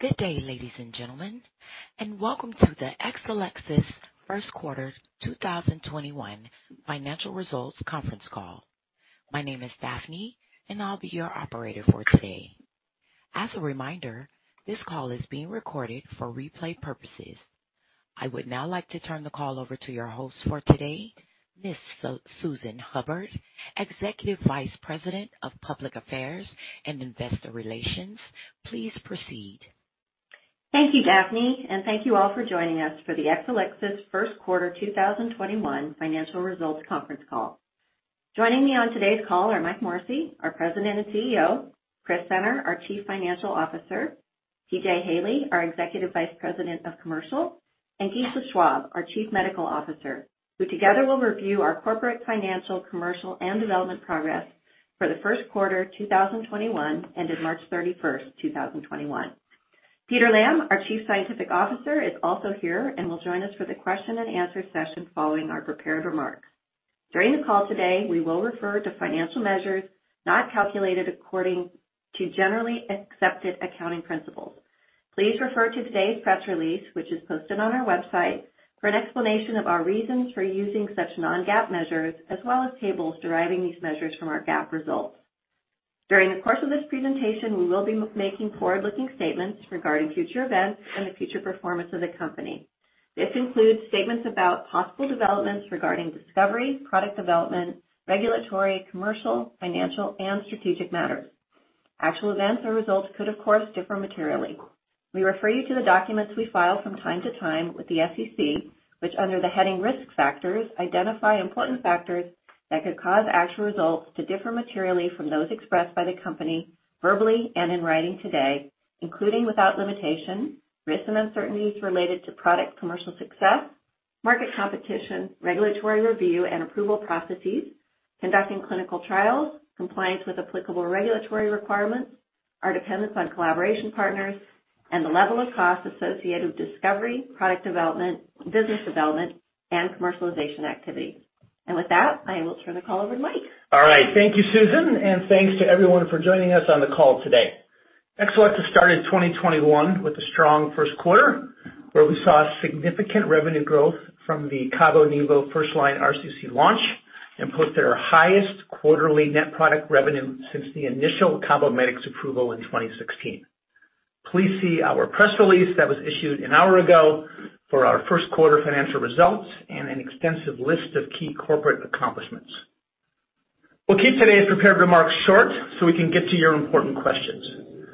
Good day, ladies and gentlemen. Welcome to the Exelixis First Quarter 2021 Financial Results conference call. My name is Daphne, and I'll be your operator for today. As a reminder, this call is being recorded for replay purposes. I would now like to turn the call over to your host for today, Ms. Susan Hubbard, Executive Vice President of Public Affairs and Investor Relations. Please proceed. Thank you, Daphne, and thank you all for joining us for the Exelixis first quarter 2021 financial results conference call. Joining me on today's call are Mike Morrissey, our President and Chief Executive Officer; Chris Senner, our Chief Financial Officer; P.J. Haley, our Executive Vice President, Commercial; and Gise Schwab, our Chief Medical Officer, who together will review our corporate financial, commercial, and development progress for the first quarter 2021, ended March 31st, 2021. Peter Lamb, our Chief Scientific Officer, is also here and will join us for the question-and-answer session following our prepared remarks. During the call today, we will refer to financial measures not calculated according to generally accepted accounting principles. Please refer to today's press release, which is posted on our website, for an explanation of our reasons for using such non-GAAP measures, as well as tables deriving these measures from our GAAP results. During the course of this presentation, we will be making forward-looking statements regarding future events and the future performance of the company. This includes statements about possible developments regarding discovery, product development, regulatory, commercial, financial, and strategic matters. Actual events or results could, of course, differ materially. We refer you to the documents we file from time to time with the SEC, which, under the heading Risk Factors, identify important factors that could cause actual results to differ materially from those expressed by the company verbally and in writing today, including, without limitation: risks and uncertainties related to product commercial success, market competition, regulatory review and approval processes, conducting clinical trials, compliance with applicable regulatory requirements, our dependence on collaboration partners, and the level of costs associated with discovery, product development, business development, and commercialization activity. With that, I will turn the call over to Mike. All right. Thank you, Susan, and thanks to everyone for joining us on the call today. Exelixis started 2021 with a strong first quarter, where we saw significant revenue growth from the cabo-nivo first-line RCC launch and posted our highest quarterly net product revenue since the initial CABOMETYX approval in 2016. Please see our press release that was issued an hour ago for our first quarter financial results and an extensive list of key corporate accomplishments. We'll keep today's prepared remarks short so we can get to your important questions.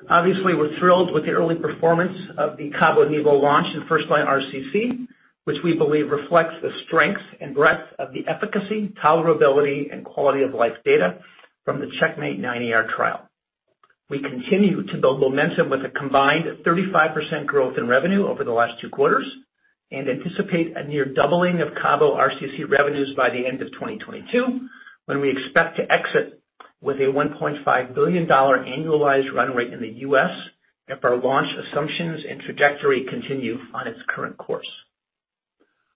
Obviously, we're thrilled with the early performance of the cabo-nivo launch in first-line RCC, which we believe reflects the strength and breadth of the efficacy, tolerability, and quality of life data from the CheckMate -9ER trial. We continue to build momentum with a combined 35% growth in revenue over the last two quarters and anticipate a near doubling of CABO RCC revenues by the end of 2022, when we expect to exit with a $1.5 billion annualized run rate in the U.S. if our launch assumptions and trajectory continue on its current course.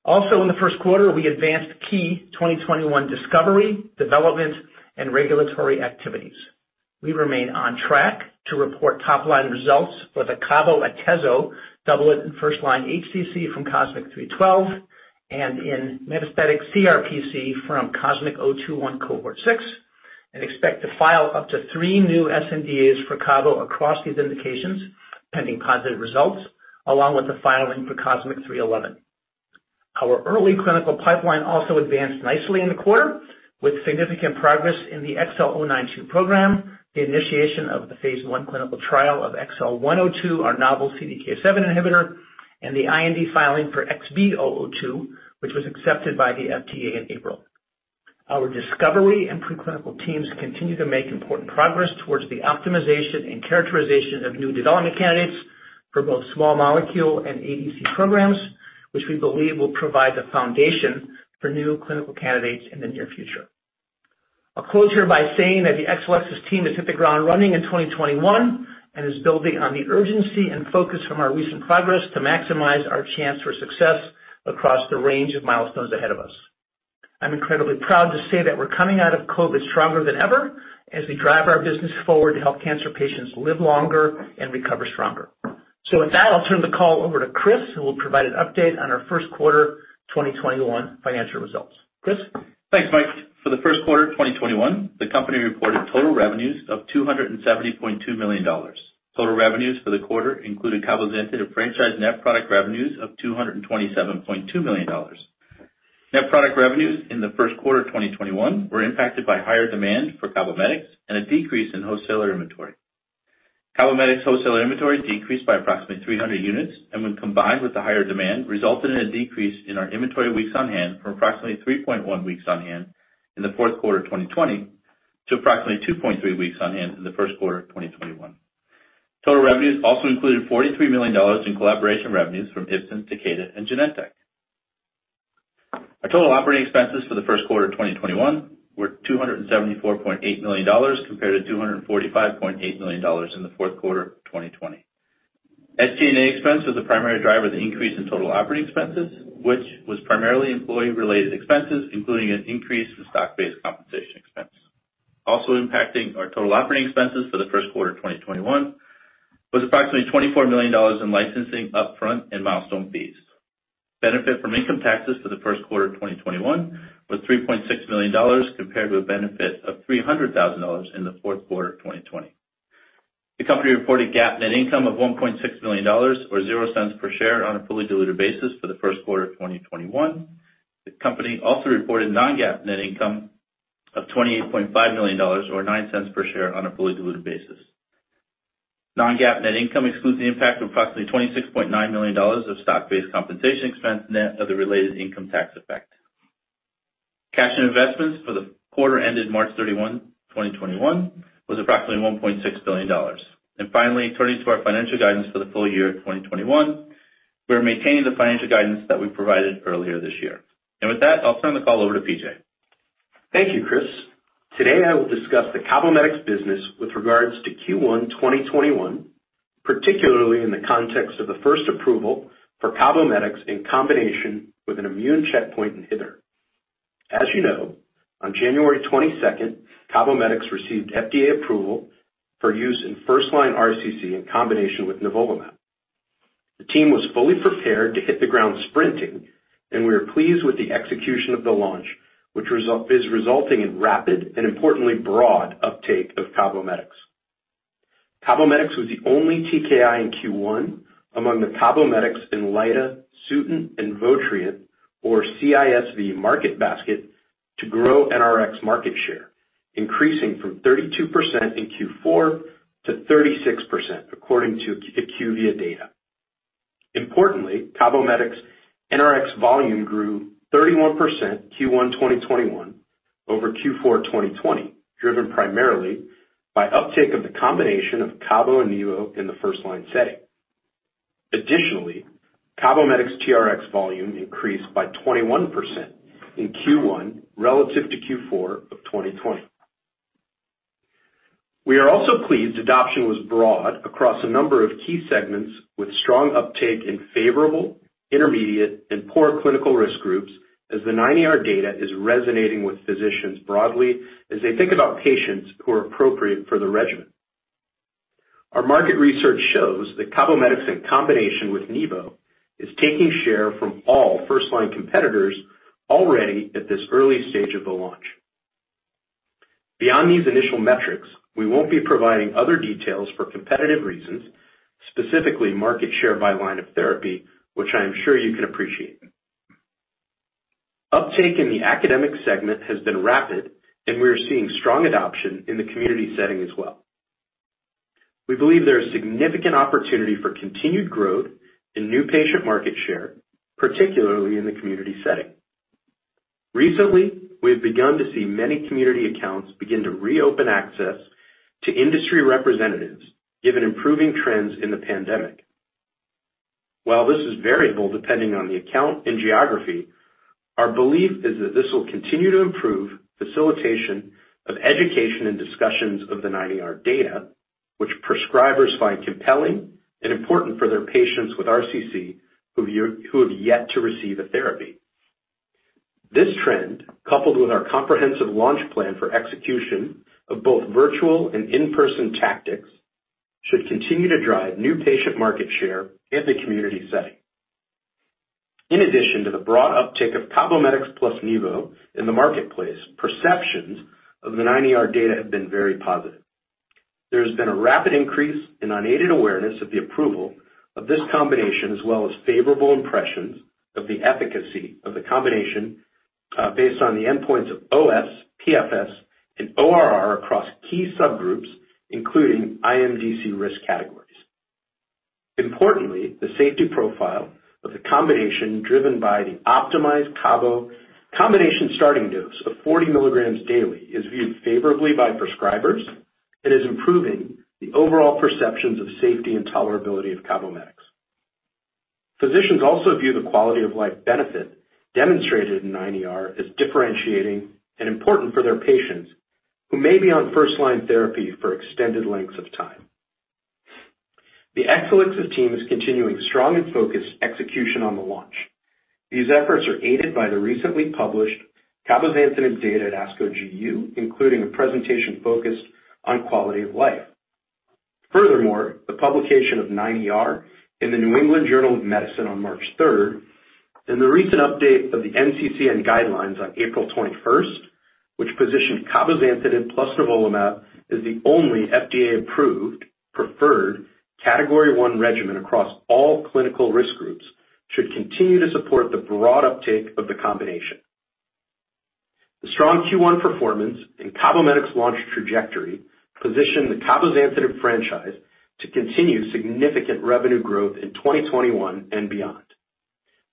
Also, in the first quarter, we advanced key 2021 discovery, development, and regulatory activities. We remain on track to report top-line results for the cabo-atezo doublet in first-line HCC from COSMIC-312 and in metastatic CRPC from COSMIC-021 cohort six and expect to file up to three new sNDAs for cabo across these indications, pending positive results, along with the filing for COSMIC-311. Our early clinical pipeline also advanced nicely in the quarter, with significant progress in the XL092 program, the initiation of the phase I clinical trial of XL102, our novel CDK7 inhibitor, and the IND filing for XB002, which was accepted by the FDA in April. Our discovery and preclinical teams continue to make important progress towards the optimization and characterization of new development candidates for both small molecule and ADC programs, which we believe will provide the foundation for new clinical candidates in the near future. I'll close here by saying that the Exelixis team has hit the ground running in 2021 and is building on the urgency and focus from our recent progress to maximize our chance for success across the range of milestones ahead of us. I'm incredibly proud to say that we're coming out of COVID stronger than ever as we drive our business forward to help cancer patients live longer and recover stronger. With that, I'll turn the call over to Chris, who will provide an update on our first quarter 2021 financial results. Chris? Thanks, Mike. For the first quarter of 2021, the company reported total revenues of $270.2 million. Total revenues for the quarter included cabozantinib franchise net product revenues of $227.2 million. Net product revenues in the first quarter of 2021 were impacted by higher demand for CABOMETYX and a decrease in wholesaler inventory. CABOMETYX wholesaler inventory decreased by approximately 300 units, and when combined with the higher demand, resulted in a decrease in our inventory weeks on hand from approximately 3.1 weeks on hand in the fourth quarter of 2020 to approximately 2.3 weeks on hand in the first quarter of 2021. Total revenues also included $43 million in collaboration revenues from Ipsen, Takeda, and Genentech. Our total operating expenses for the first quarter 2021 were $274.8 million, compared to $245.8 million in the fourth quarter of 2020. SG&A expense was the primary driver of the increase in total operating expenses, which was primarily employee-related expenses, including an increase in stock-based compensation expense. Also impacting our total operating expenses for the first quarter of 2021 was approximately $24 million in licensing upfront and milestone fees. Benefit from income taxes for the first quarter of 2021 was $3.6 million compared to a benefit of $300,000 in the fourth quarter of 2020. The company reported GAAP net income of $1.6 million, or $0.00 per share on a fully diluted basis for the first quarter of 2021. The company also reported non-GAAP net income of $28.5 million or $0.09 per share on a fully diluted basis. Non-GAAP net income excludes the impact of approximately $26.9 million of stock-based compensation expense net of the related income tax effect. Cash and investments for the quarter ended March 31, 2021, was approximately $1.6 billion. Finally, turning to our financial guidance for the full year of 2021, we're maintaining the financial guidance that we provided earlier this year. With that, I'll turn the call over to P.J. Thank you, Chris. Today I will discuss the CABOMETYX business with regards to Q1 2021, particularly in the context of the first approval for CABOMETYX in combination with an immune checkpoint inhibitor. As you know, on January 22nd, CABOMETYX received FDA approval for use in first-line RCC in combination with nivolumab. The team was fully prepared to hit the ground sprinting, and we are pleased with the execution of the launch, which is resulting in rapid and importantly broad uptake of CABOMETYX. CABOMETYX was the only TKI in Q1 among the CABOMETYX, INLYTA, SUTENT, and VOTRIENT, or CISV market basket to grow NRx market share, increasing from 32% in Q4 to 36% according to IQVIA data. Importantly, CABOMETYX NRx volume grew 31% Q1 2021 over Q4 2020, driven primarily by uptake of the combination of cabo-nivo in the first-line setting. Additionally, CABOMETYX TRx volume increased by 21% in Q1 relative to Q4 of 2020. We are also pleased adoption was broad across a number of key segments with strong uptake in favorable, intermediate, and poor clinical risk groups as the 9ER data is resonating with physicians broadly as they think about patients who are appropriate for the regimen. Our market research shows that CABOMETYX in combination with nivo is taking share from all first-line competitors already at this early stage of the launch. Beyond these initial metrics, we won't be providing other details for competitive reasons, specifically market share by line of therapy, which I am sure you can appreciate. Uptake in the academic segment has been rapid, and we are seeing strong adoption in the community setting as well. We believe there is significant opportunity for continued growth in new patient market share, particularly in the community setting. Recently, we have begun to see many community accounts begin to reopen access to industry representatives given improving trends in the pandemic. While this is variable depending on the account and geography, our belief is that this will continue to improve facilitation of education and discussions of the 9ER data, which prescribers find compelling and important for their patients with RCC who have yet to receive a therapy. This trend, coupled with our comprehensive launch plan for execution of both virtual and in-person tactics, should continue to drive new patient market share in the community setting. In addition to the broad uptake of CABOMETYX plus Nivo in the marketplace, perceptions of the 9ER data have been very positive. There has been a rapid increase in unaided awareness of the approval of this combination, as well as favorable impressions of the efficacy of the combination, based on the endpoints of OS, PFS, and ORR across key subgroups, including IMDC risk categories. Importantly, the safety profile of the combination driven by the optimized cabo combination starting dose of 40 mg daily is viewed favorably by prescribers and is improving the overall perceptions of safety and tolerability of CABOMETYX. Physicians also view the quality-of-life benefit demonstrated in 9ER as differentiating and important for their patients who may be on first-line therapy for extended lengths of time. The Exelixis team is continuing strong and focused execution on the launch. These efforts are aided by the recently published cabozantinib data at ASCO GU, including a presentation focused on quality of life. Furthermore, the publication of 9ER in "The New England Journal of Medicine" on March 3rd and the recent update of the NCCN Guidelines on April 21st, which positioned cabozantinib plus nivolumab as the only FDA-approved preferred Category 1 regimen across all clinical risk groups should continue to support the broad uptake of the combination. The strong Q1 performance and CABOMETYX launch trajectory position the cabozantinib franchise to continue significant revenue growth in 2021 and beyond.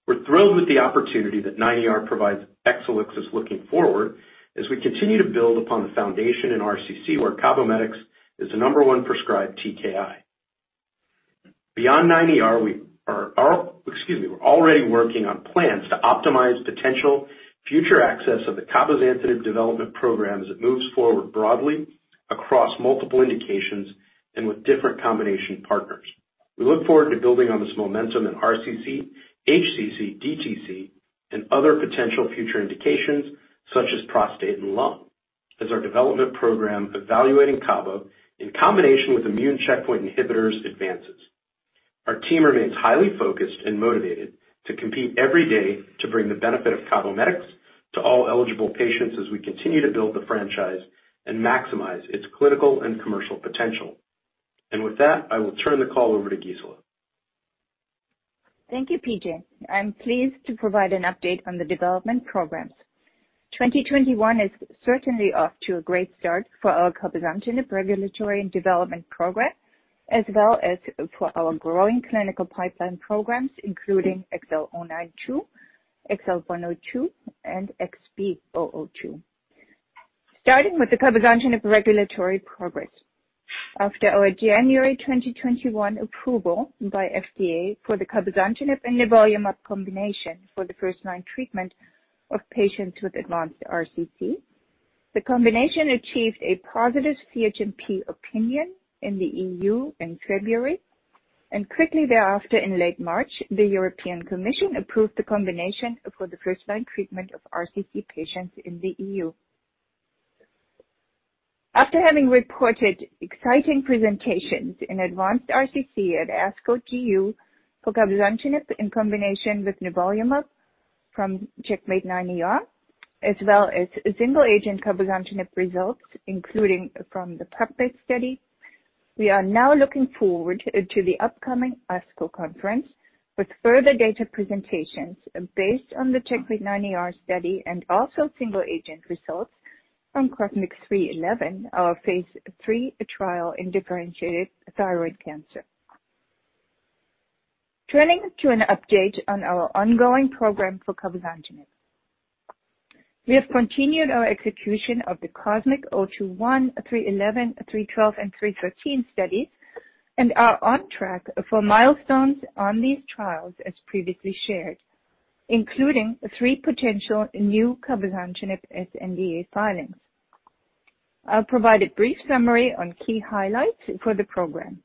We're thrilled with the opportunity that 9ER provides Exelixis looking forward as we continue to build upon the foundation in RCC where CABOMETYX is the number one prescribed TKI. Beyond 9ER, we are, excuse me, we're already working on plans to optimize potential future access of the cabozantinib development program as it moves forward broadly across multiple indications and with different combination partners. We look forward to building on this momentum in RCC, HCC, DTC, and other potential future indications such as prostate and lung, as our development program evaluating cabo in combination with immune checkpoint inhibitors advances. Our team remains highly focused and motivated to compete every day to bring the benefit of CABOMETYX to all eligible patients as we continue to build the franchise and maximize its clinical and commercial potential. With that, I will turn the call over to Gisela. Thank you, P.J. I'm pleased to provide an update on the development programs. 2021 is certainly off to a great start for our cabozantinib regulatory and development program, as well as for our growing clinical pipeline programs, including XL092, XL102, and XB002. Starting with the cabozantinib regulatory progress. After our January 2021 approval by FDA for the cabozantinib and nivolumab combination for the first-line treatment of patients with advanced RCC, the combination achieved a positive CHMP opinion in the EU in February. Quickly thereafter in late March, the European Commission approved the combination for the first-line treatment of RCC patients in the EU. After having reported exciting presentations in advanced RCC at ASCO GU for cabozantinib in combination with nivolumab from CheckMate -9ER, as well as single-agent cabozantinib results, including from the PAPMET study. We are now looking forward to the upcoming ASCO conference with further data presentations based on the CheckMate -9ER study and also single-agent results from COSMIC-311, our phase III trial in differentiated thyroid cancer. Turning to an update on our ongoing program for cabozantinib. We have continued our execution of the COSMIC-021, 311, 312, and 313 studies and are on track for milestones on these trials as previously shared, including three potential new cabozantinib sNDA filings. I'll provide a brief summary on key highlights for the program.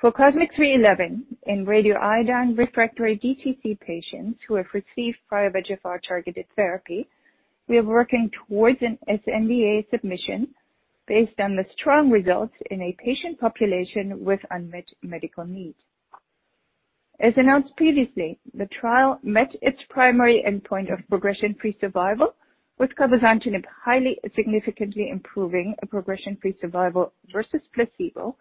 For COSMIC-311 in radioiodine-refractory DTC patients who have received prior VEGFR-targeted therapy, we are working towards an sNDA submission based on the strong results in a patient population with unmet medical need. As announced previously, the trial met its primary endpoint of progression-free survival, with cabozantinib highly significantly improving progression-free survival versus placebo.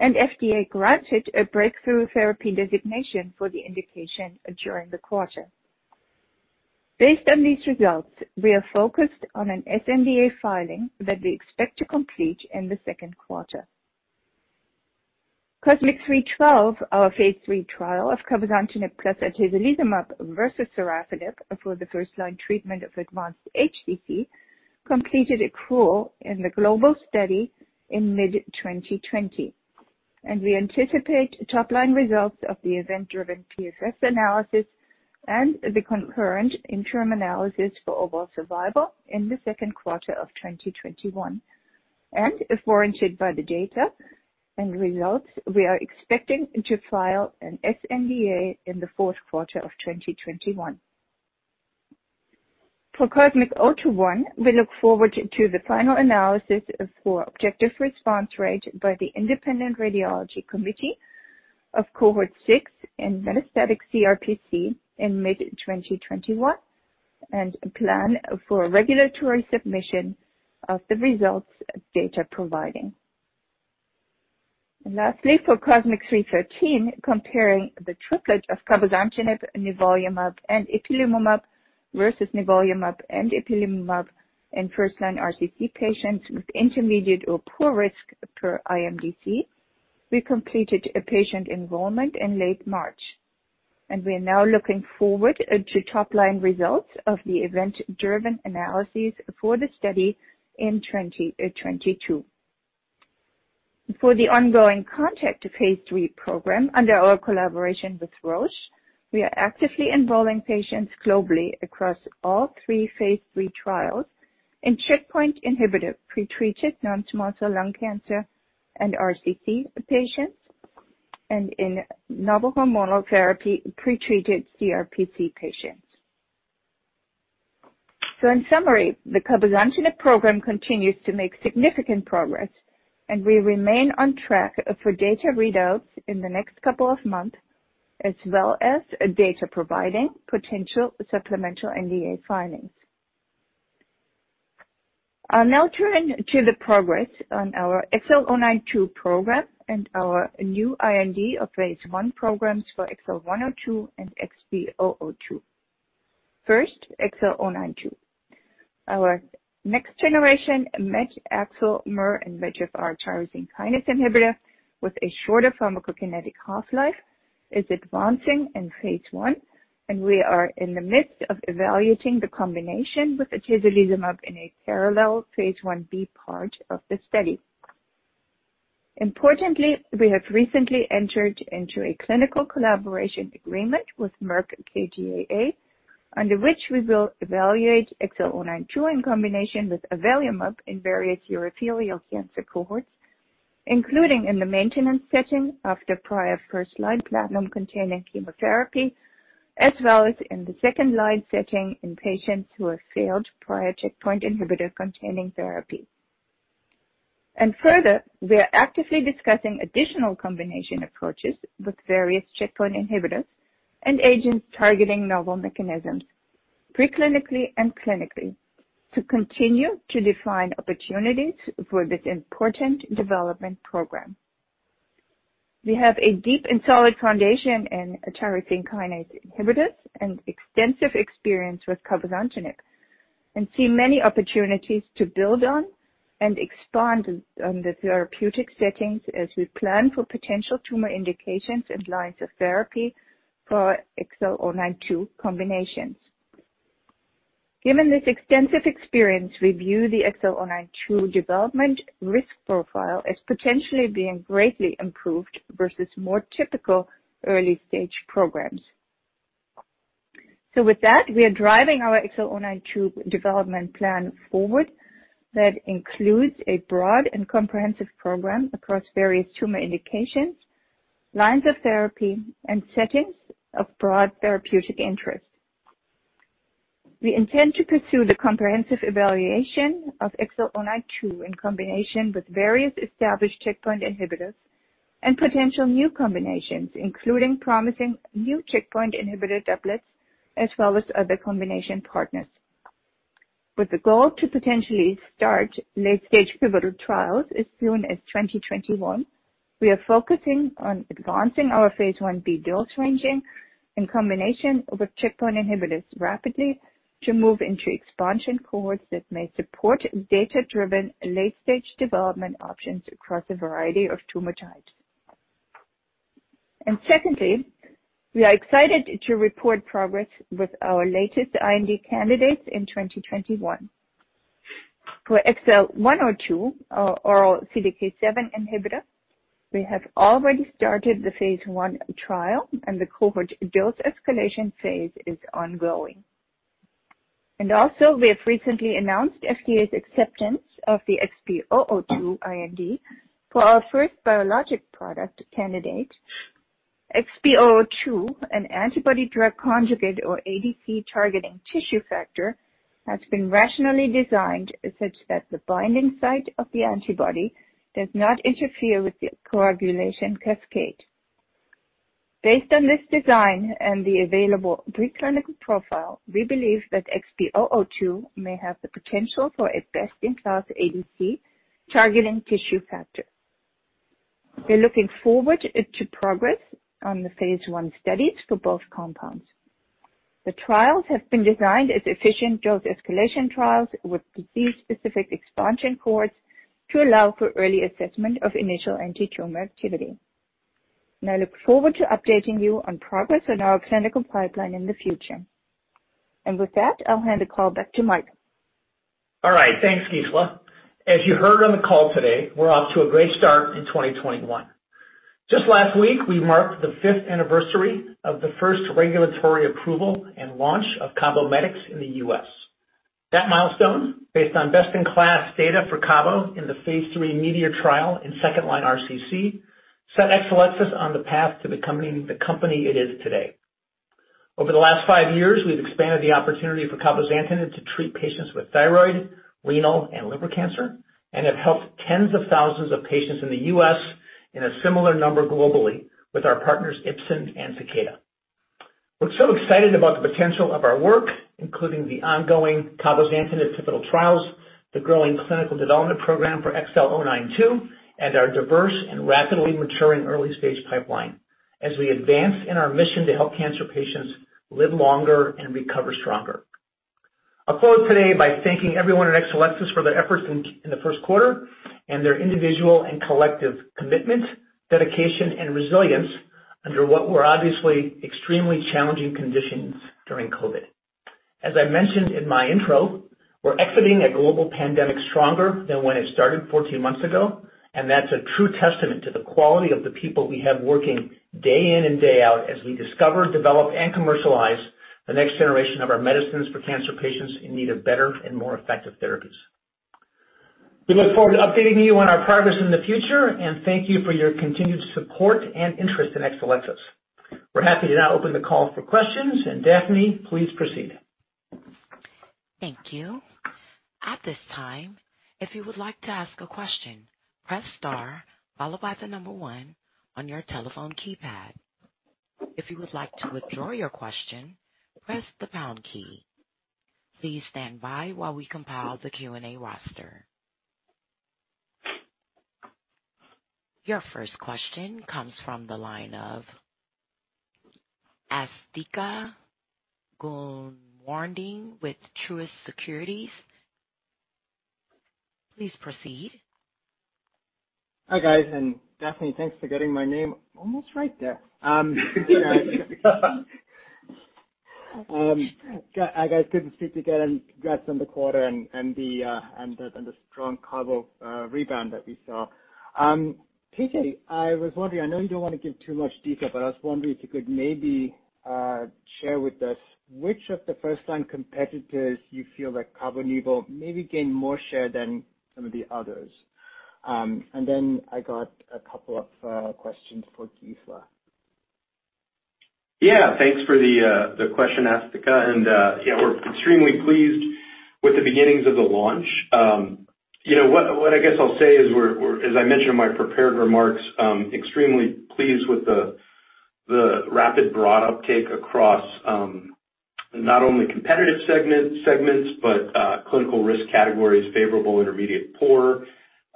FDA granted a breakthrough therapy designation for the indication during the quarter. Based on these results, we are focused on an sNDA filing that we expect to complete in the second quarter. COSMIC-312, our phase III trial of cabozantinib plus atezolizumab versus sorafenib for the first-line treatment of advanced HCC, completed accrual in the global study in mid-2020. We anticipate top-line results of the event-driven PFS analysis and the concurrent interim analysis for overall survival in the second quarter of 2021. If warranted by the data and results, we are expecting to file an sNDA in the fourth quarter of 2021. For COSMIC-021, we look forward to the final analysis for objective response rate by the independent radiology committee of cohort six in metastatic CRPC in mid-2021 and plan for regulatory submission of the results data providing. Lastly, for COSMIC-313, comparing the triplet of cabozantinib, nivolumab, and ipilimumab versus nivolumab and ipilimumab in first-line RCC patients with intermediate or poor risk per IMDC. We completed patient enrollment in late March, and we are now looking forward to top-line results of the event-driven analyses for the study in 2022. For the ongoing CONTACT phase III program under our collaboration with Roche, we are actively enrolling patients globally across all 3 phase III trials in checkpoint inhibitor pretreated non-small cell lung cancer and RCC patients and in novel hormonal therapy pretreated CRPC patients. In summary, the cabozantinib program continues to make significant progress, and we remain on track for data readouts in the next couple of months, as well as data-providing potential sNDA filings. I'll now turn to the progress on our XL092 program and our new IND and phase I programs for XL102 and XB002. First, XL092. Our next-generation MET, AXL, MER, and VEGFR-tyrosine kinase inhibitor with a shorter pharmacokinetic half-life is advancing in phase I, and we are in the midst of evaluating the combination with atezolizumab in a parallel phase I-B part of the study. Importantly, we have recently entered into a clinical collaboration agreement with Merck KGaA. Under which we will evaluate XL092 in combination with avelumab in various urothelial cancer cohorts, including in the maintenance setting after prior first-line platinum-containing chemotherapy, as well as in the second-line setting in patients who have failed prior checkpoint inhibitor-containing therapy. Further, we are actively discussing additional combination approaches with various checkpoint inhibitors and agents targeting novel mechanisms, preclinically and clinically, to continue to define opportunities for this important development program. We have a deep and solid foundation in tyrosine kinase inhibitors and extensive experience with cabozantinib, and see many opportunities to build on and expand on the therapeutic settings as we plan for potential tumor indications and lines of therapy for XL092 combinations. Given this extensive experience, we view the XL092 development risk profile as potentially being greatly improved versus more typical early-stage programs. With that, we are driving our XL092 development plan forward. That includes a broad and comprehensive program across various tumor indications, lines of therapy, and settings of broad therapeutic interest. We intend to pursue the comprehensive evaluation of XL092 in combination with various established checkpoint inhibitors and potential new combinations, including promising new checkpoint inhibitor doublets, as well as other combination partners. With the goal to potentially start late-stage pivotal trials as soon as 2021, we are focusing on advancing our phase I-B dose ranging in combination with checkpoint inhibitors rapidly to move into expansion cohorts that may support data-driven late-stage development options across a variety of tumor types. Secondly, we are excited to report progress with our latest IND candidates in 2021. For XL102, our oral CDK7 inhibitor, we have already started the phase I trial, and the cohort dose escalation phase is ongoing. We have recently announced FDA's acceptance of the XB002 IND for our first biologic product candidate. XB002, an antibody-drug conjugate, or ADC, targeting tissue factor, has been rationally designed such that the binding site of the antibody does not interfere with the coagulation cascade. Based on this design and the available preclinical profile, we believe that XB002 may have the potential for a best-in-class ADC targeting tissue factor. We're looking forward to progress on the phase I studies for both compounds. The trials have been designed as efficient dose escalation trials with disease-specific expansion cohorts to allow for early assessment of initial antitumor activity. I look forward to updating you on progress on our clinical pipeline in the future. With that, I'll hand the call back to Mike. All right. Thanks, Gisela. As you heard on the call today, we're off to a great start in 2021. Just last week, we marked the fifth anniversary of the first regulatory approval and launch of CABOMETYX in the U.S. That milestone, based on best-in-class data for CABO in the phase III METEOR trial in second-line RCC, set Exelixis on the path to becoming the company it is today. Over the last five years, we've expanded the opportunity for cabozantinib to treat patients with thyroid, renal, and liver cancer and have helped tens of thousands of patients in the U.S. and a similar number globally with our partners, Ipsen and Takeda. We're so excited about the potential of our work, including the ongoing cabozantinib pivotal trials, the growing clinical development program for XL092, and our diverse and rapidly maturing early-stage pipeline as we advance in our mission to help cancer patients live longer and recover stronger. I'll close today by thanking everyone at Exelixis for their efforts in the first quarter and their individual and collective commitment, dedication, and resilience under what were obviously extremely challenging conditions during COVID. As I mentioned in my intro, we're exiting a global pandemic stronger than when it started 14 months ago, and that's a true testament to the quality of the people we have working day in and day out as we discover, develop, and commercialize the next generation of our medicines for cancer patients in need of better and more effective therapies. We look forward to updating you on our progress in the future. Thank you for your continued support and interest in Exelixis. We're happy to now open the call for questions. Daphne, please proceed. Thank you. Your first question comes from the line of Asthika Goonewardene with Truist Securities. Please proceed. Hi guys, and Daphne thanks for getting my name almost right there. Guys, good to speak again, and congrats on the quarter and the strong cabo rebound that we saw. P.J., I was wondering, I know you don't want to give too much detail, but I was wondering if you could maybe share with us which of the first-line competitors you feel like cabo-nivo maybe gained more share than some of the others? Then I got a couple of questions for Gisela. Thanks for the question, Asthika. We're extremely pleased with the beginnings of the launch. What I guess I'll say is we're, as I mentioned in my prepared remarks, extremely pleased with the rapid broad uptake across. Not only competitive segments but clinical risk categories, favorable, intermediate, poor,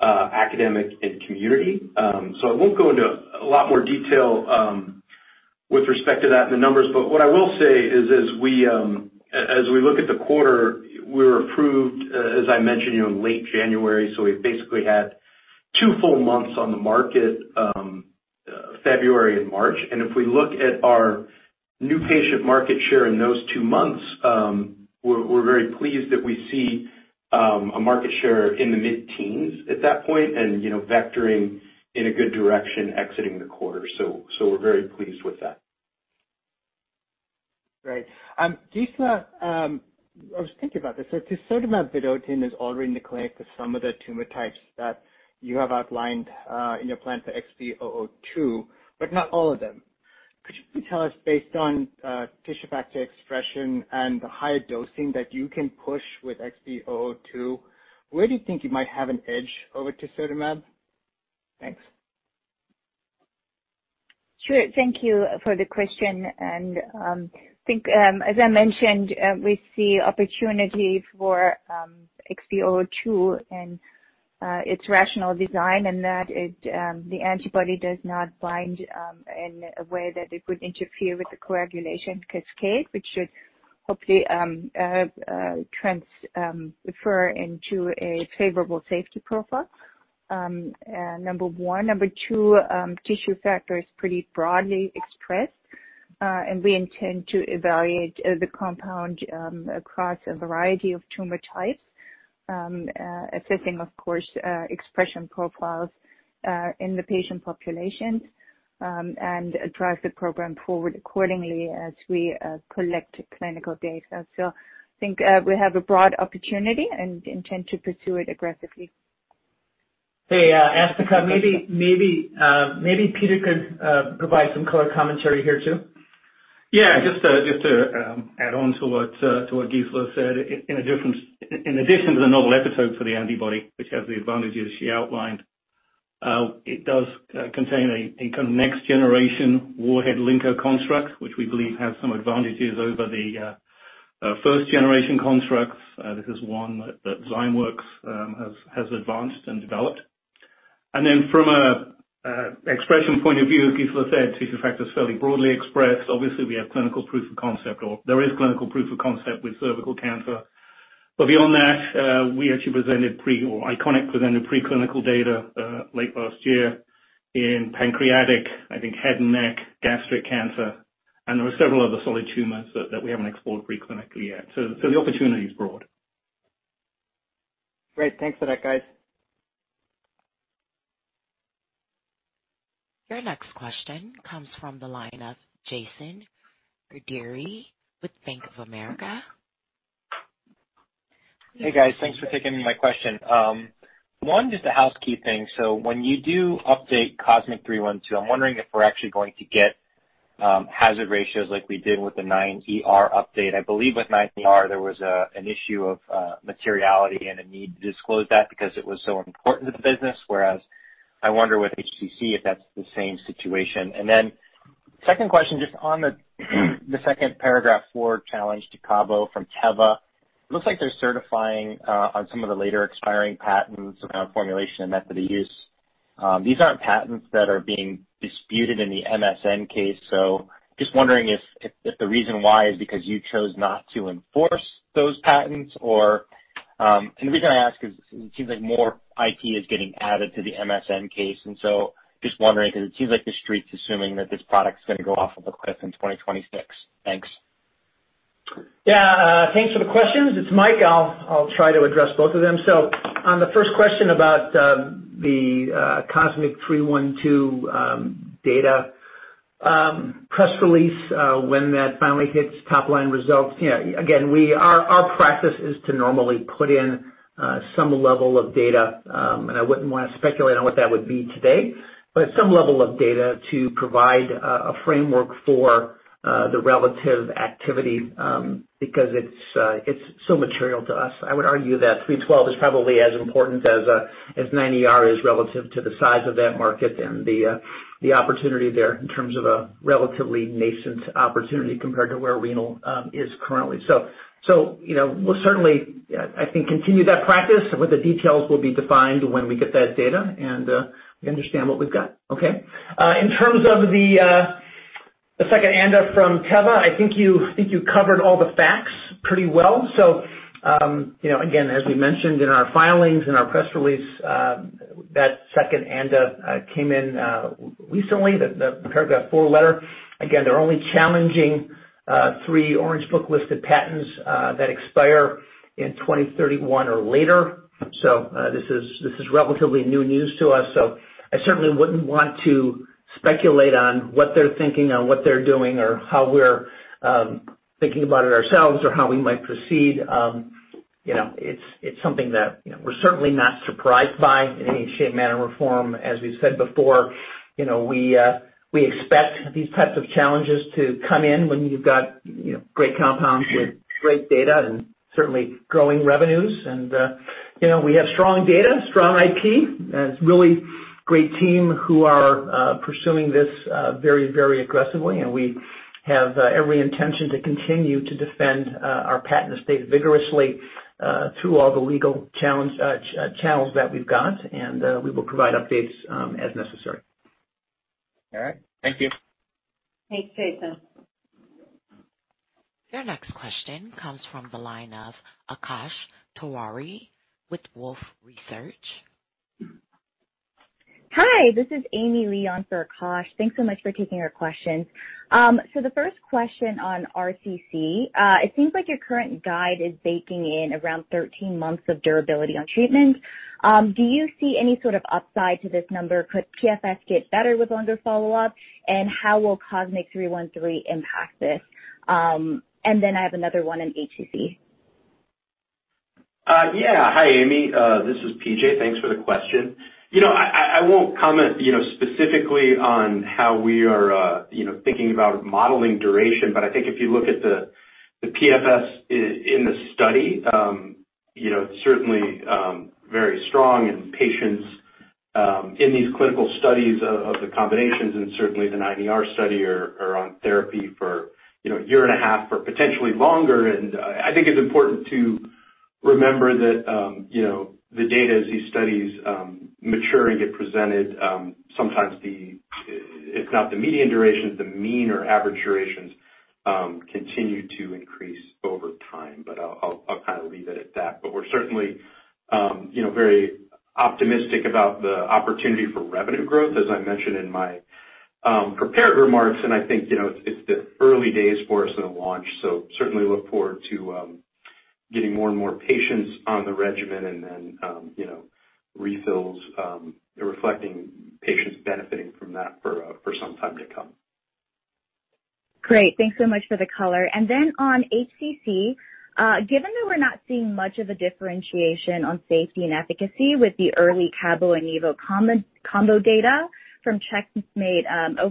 academic, and community. I won't go into a lot more detail with respect to that in the numbers. But what I will say is as we look at the quarter, we were approved, as I mentioned, in late January, we basically had two full months on the market, February and March. If we look at our new patient market share in those two months, we're very pleased that we see a market share in the mid-teens at that point and vectoring in a good direction exiting the quarter. We're very pleased with that. Great. Gisela, I was thinking about this. Tisotumab vedotin is already in the clinic for some of the tumor types that you have outlined in your plan for XB002, but not all of them. Could you please tell us, based on tissue factor expression and the higher dosing that you can push with XB002, where do you think you might have an edge over tisotumab? Thanks. Sure. Thank you for the question. I think, as I mentioned, we see opportunity for XB002 and its rational design in that the antibody does not bind in a way that it would interfere with the coagulation cascade, which should hopefully transfer into a favorable safety profile, number one. Number two, tissue factor is pretty broadly expressed. We intend to evaluate the compound across a variety of tumor types, assessing, of course, expression profiles in the patient populations, and drive the program forward accordingly as we collect clinical data. I think we have a broad opportunity and intend to pursue it aggressively. Hey Asthika, maybe Peter could provide some color commentary here too? Yeah, just to add on to what Gisela said. In addition to the novel epitope for the antibody, which has the advantages she outlined, it does contain a next-generation warhead linker construct, which we believe has some advantages over the first-generation constructs. This is one that Zymeworks has advanced and developed. From an expression point of view, as Gisela said, tissue factor is fairly broadly expressed. Obviously, we have clinical proof of concept, or there is clinical proof of concept with cervical cancer. Beyond that, we actually presented pre-- or Iconic presented preclinical data, late last year in pancreatic, I think head and neck, gastric cancer, and there were several other solid tumors that we haven't explored preclinically yet. The opportunity is broad. Great. Thanks for that, guys. Your next question comes from the line of Jason Gerberry with Bank of America. Hey, guys. Thanks for taking my question. One, just a housekeeping. When you do update COSMIC-312, I'm wondering if we're actually going to get hazard ratios like we did with the 9ER update? I believe with 9ER there was an issue of materiality and a need to disclose that because it was so important to the business, whereas I wonder with HCC if that's the same situation. Second question, just on the second Paragraph IV challenge to CABO from Teva. It looks like they're certifying on some of the later expiring patents around formulation and method of use. These aren't patents that are being disputed in the MSN case. Just wondering if the reason why is because you chose not to enforce those patents? The reason I ask is it seems like more IP is getting added to the MSN case. Just wondering, because it seems like the Street's assuming that this product's going to go off of a cliff in 2026. Thanks. Thanks for the questions. It's Mike. I'll try to address both of them. On the first question about the COSMIC-312 data press release, when that finally hits top-line results, again, our practice is to normally put in some level of data. I wouldn't want to speculate on what that would be today, but some level of data to provide a framework for the relative activity, because it's so material to us. I would argue that 312 is probably as important as 9ER is relative to the size of that market and the opportunity there in terms of a relatively nascent opportunity compared to where renal is currently. We'll certainly, I think, continue that practice, but the details will be defined when we get that data and we understand what we've got. Okay? The second ANDA from Teva, I think you covered all the facts pretty well. Again, as we mentioned in our filings, in our press release, that second ANDA came in recently, the Paragraph IV letter. Again, they're only challenging three Orange Book listed patents that expire in 2031 or later. This is relatively new news to us, so I certainly wouldn't want to speculate on what they're thinking or what they're doing or how we're thinking about it ourselves or how we might proceed. It's something that we're certainly not surprised by in any shape, manner, or form. As we've said before, we expect these types of challenges to come in when you've got great compounds with great data and certainly growing revenues. We have strong data, strong IP, and it's really great team who are pursuing this very aggressively. We have every intention to continue to defend our patent estate vigorously through all the legal channels that we've got, and we will provide updates as necessary. All right. Thank you. Thanks, Jason. Your next question comes from the line of Akash Tewari with Wolfe Research. Hi, this is Amy Li on for Akash. Thanks so much for taking our questions. The first question on RCC, it seems like your current guide is baking in around 13 months of durability on treatment. Do you see any sort of upside to this number? Could PFS get better with longer follow-up, and how will COSMIC-313 impact this? Then I have another one on HCC. Yeah. Hi, Amy. This is P.J. Thanks for the question. I won't comment specifically on how we are thinking about modeling duration. I think if you look at the PFS in the study, it's certainly very strong in patients in these clinical studies of the combinations, and certainly the 9ER study are on therapy for a 1.5 year or potentially longer. I think it's important to remember that the data as these studies mature and get presented, sometimes if not the median duration, the mean or average durations continue to increase over time. I'll kind of leave it at that. We're certainly very optimistic about the opportunity for revenue growth, as I mentioned in my prepared remarks. I think it's the early days for us in the launch, so certainly look forward to getting more and more patients on the regimen and then refills reflecting patients benefiting from that for some time to come. Great. Thanks so much for the color. On HCC, given that we're not seeing much of a differentiation on safety and efficacy with the early cabo and nivo combo data from CheckMate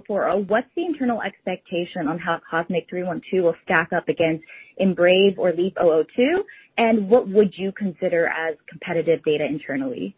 040, what's the internal expectation on how COSMIC-312 will stack up against IMbrave or LEAP-002, and what would you consider as competitive data internally?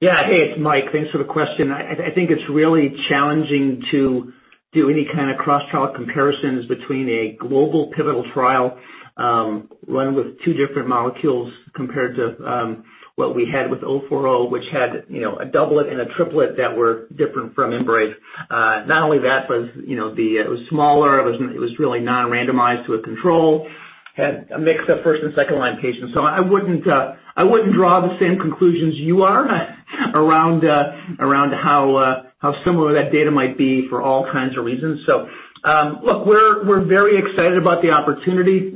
Hey, it's Mike. Thanks for the question. I think it's really challenging to do any kind of cross trial comparisons between a global pivotal trial run with two different molecules compared to what we had with 040, which had a doublet and a triplet that were different from IMbrave. Not only that, it was smaller. It was really non-randomized to a control, had a mix of first and second-line patients. I wouldn't draw the same conclusions you are around how similar that data might be for all kinds of reasons. Look, we're very excited about the opportunity.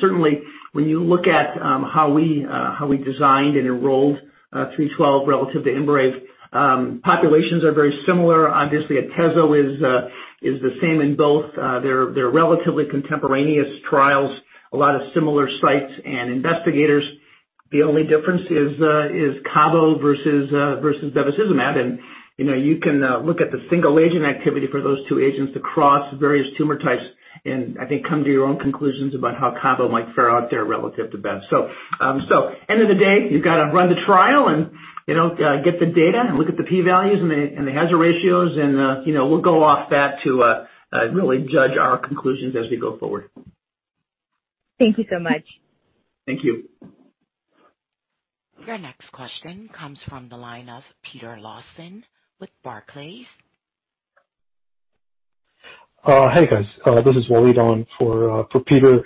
Certainly when you look at how we designed and enrolled 312 relative to IMbrave, populations are very similar. Obviously, atezo is the same in both. They're relatively contemporaneous trials, a lot of similar sites and investigators. The only difference is cabo versus bevacizumab. You can look at the single agent activity for those two agents across various tumor types and I think come to your own conclusions about how cabo might fare out there relative to bev. End of the day, you've got to run the trial and get the data and look at the P values and the hazard ratios, and we'll go off that to really judge our conclusions as we go forward. Thank you so much. Thank you. Your next question comes from the line of Peter Lawson with Barclays. Hey, guys. This is Waleed on for Peter.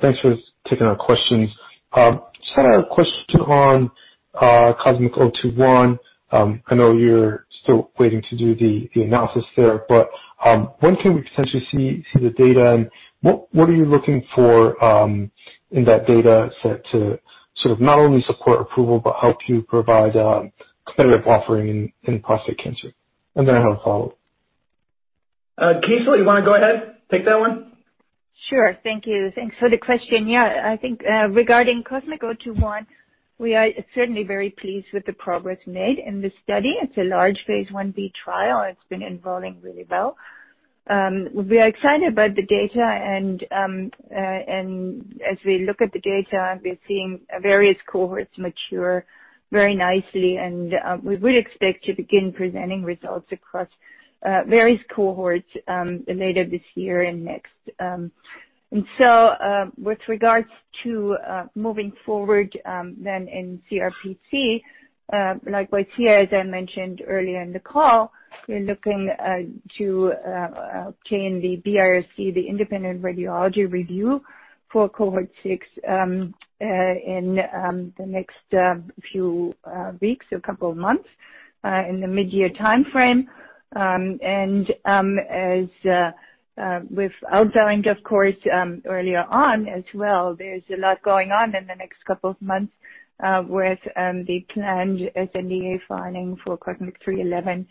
Thanks for taking our questions. Just had a question on COSMIC-021. I know you're still waiting to do the analysis there. When can we potentially see the data, and what are you looking for in that data set to sort of not only support approval but help you provide a competitive offering in prostate cancer? I have a follow-up. Gisel, you want to go ahead, take that one? Sure. Thank you. Thanks for the question. Yeah, I think regarding COSMIC-021, we are certainly very pleased with the progress made in this study. It's a large phase I-B trial. It's been enrolling really well. We are excited about the data, and as we look at the data, we're seeing various cohorts mature very nicely. We would expect to begin presenting results across various cohorts later this year and next. With regards to moving forward then in CRPC, likewise here, as I mentioned earlier in the call, we're looking to obtain the BIRC, the independent radiology review for cohort six in the next few weeks or couple of months in the mid-year timeframe. As with outgoing, of course, earlier on as well, there is a lot going on in the next couple of months with the planned sNDA filing for COSMIC-311,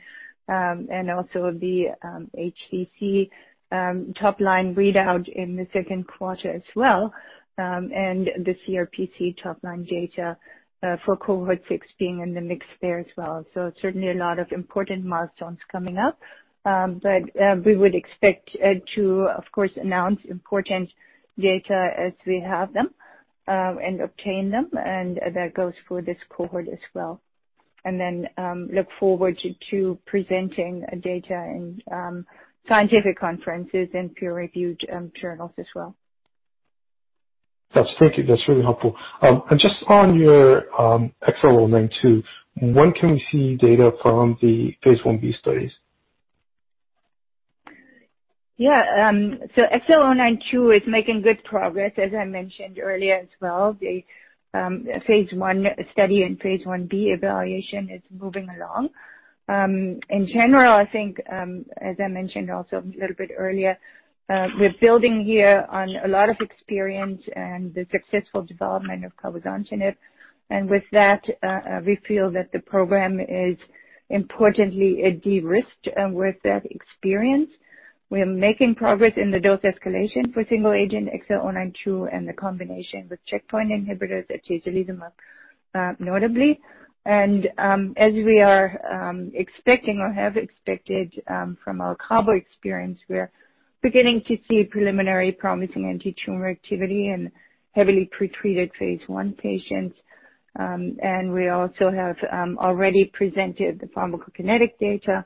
and also the HCC top-line readout in the second quarter as well, and the CRPC top-line data for cohort six being in the mix there as well. Certainly a lot of important milestones coming up. We would expect to, of course, announce important data as we have them and obtain them, and that goes for this cohort as well. Look forward to presenting data in scientific conferences and peer-review journals as well. That's really helpful. Just on your XL092, when can we see data from the phase I-B studies? Yeah. XL092 is making good progress, as I mentioned earlier as well. The phase I study and phase I-B evaluation is moving along. In general, I think, as I mentioned also a little bit earlier, we're building here on a lot of experience and the successful development of cabozantinib. With that, we feel that the program is importantly de-risked with that experience. We are making progress in the dose escalation for single agent XL092 and the combination with checkpoint inhibitors, atezolizumab, notably. As we are expecting or have expected from our cabo experience, we are beginning to see preliminary promising antitumor activity in heavily pretreated phase I patients. We also have already presented the pharmacokinetic data,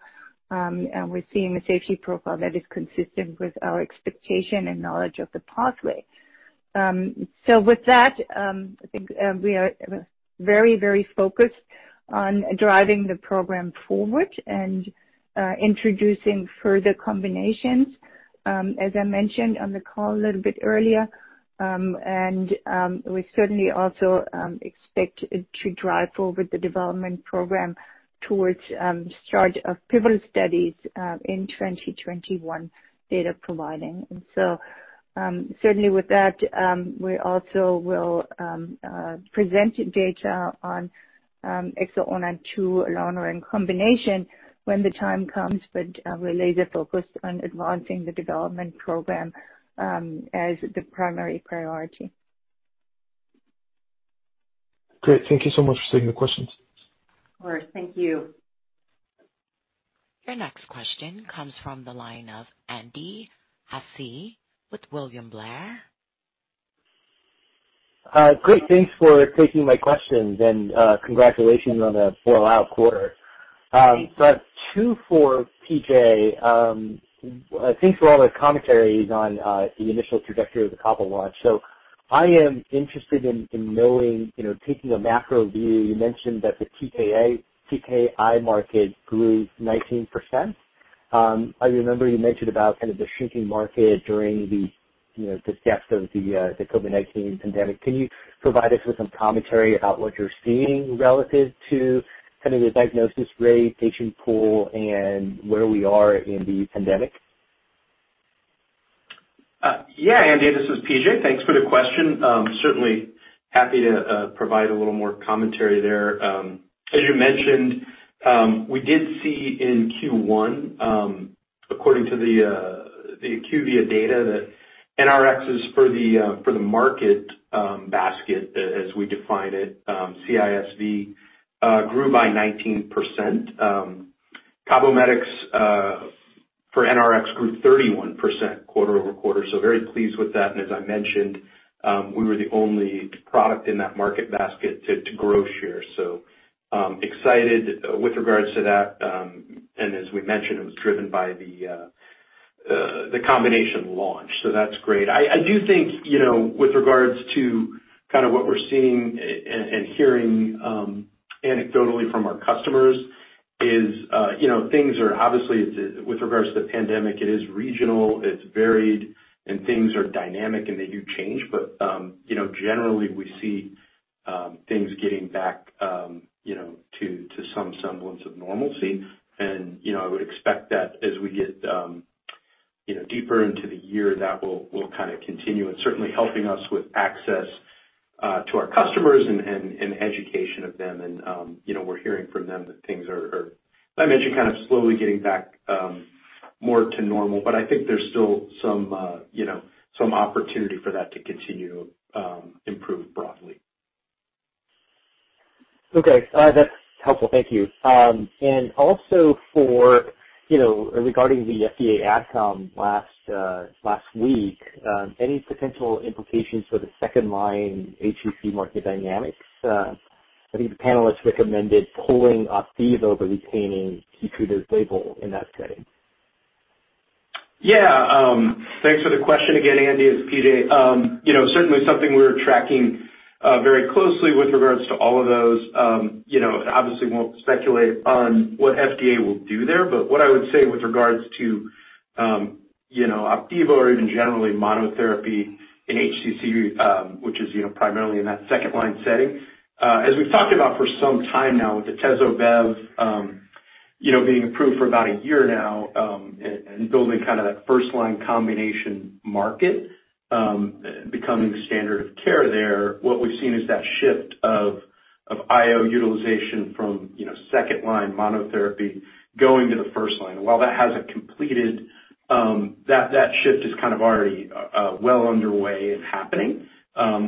and we're seeing a safety profile that is consistent with our expectation and knowledge of the pathway. With that, I think we are very focused on driving the program forward and introducing further combinations, as I mentioned on the call a little bit earlier. We certainly also expect to drive forward the development program towards the start of pivotal studies in 2021 data providing. Certainly with that, we also will present data on XL092 alone or in combination when the time comes, but we're laser-focused on advancing the development program as the primary priority. Great. Thank you so much for taking the questions. Of course. Thank you. Your next question comes from the line of Andy Hsieh with William Blair. Great. Thanks for taking my questions and congratulations on a full out quarter. Two for P.J. Thanks for all the commentaries on the initial trajectory of the CABO launch. I am interested in knowing, taking a macro view, you mentioned that the TKI market grew 19%. I remember you mentioned about kind of the shrinking market during the steps of the COVID-19 pandemic. Can you provide us with some commentary about what you're seeing relative to kind of the diagnosis rate, patient pool, and where we are in the pandemic? Yeah, Andy, this is P.J. Thanks for the question. Certainly happy to provide a little more commentary there. As you mentioned, we did see in Q1, according to the IQVIA data, that NRxs for the market basket as we define it, CISV, grew by 19%. CABOMETYX for NRx grew 31% quarter-over-quarter. Very pleased with that. As I mentioned, we were the only product in that market basket to grow share. Excited with regards to that. As we mentioned, it was driven by the combination launch, that's great. I do think, with regards to what we're seeing and hearing anecdotally from our customers is, things are obviously, with regards to the pandemic, it is regional. It's varied, and things are dynamic and they do change. Generally we see things getting back to some semblance of normalcy. I would expect that as we get deeper into the year, that will kind of continue. Certainly helping us with access to our customers and education of them. We're hearing from them that things are, as I mentioned, kind of slowly getting back more to normal. I think there's still some opportunity for that to continue improve broadly. Okay. That's helpful. Thank you. Regarding the FDA AdCom last week, any potential implications for the second-line HCC market dynamics? I think the panelists recommended pulling OPDIVO but retaining KEYTRUDA's label in that setting. Yeah. Thanks for the question again, Andy. It's P.J. Certainly something we're tracking very closely with regards to all of those. Obviously, won't speculate on what FDA will do there. But what I would say with regards to OPDIVO or even generally monotherapy in HCC, which is primarily in that second-line setting. We've talked about for some time now with atezo, bev being approved for about a year now, and building that first-line combination market, becoming the standard of care there, what we've seen is that shift of IO utilization from second-line monotherapy going to the first line. While that hasn't completed, that shift is already well underway and happening,